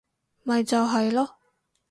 咪就係囉